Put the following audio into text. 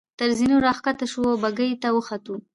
تر زینو را کښته شوو او بګۍ ته وختو.